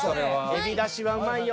エビだしはうまいよ。